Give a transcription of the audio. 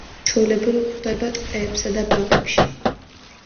ჩვეულებრივ გვხვდება ტყეებსა და ბაღებში.